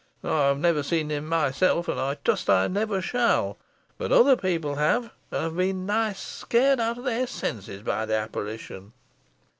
I have never seen him myself, and trust I never shall; but other people have, and have been nigh scared out of their senses by the apparition."